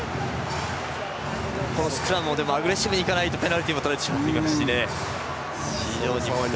スクラムもアグレッシブにいかないとペナルティーもとられてしまいますし。